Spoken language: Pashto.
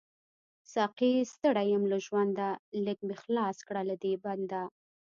ساقۍ ستړی يم له ژونده، ليږ می خلاص کړه له دی بنده